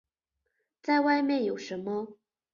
再外面有什么